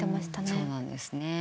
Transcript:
そうなんですね。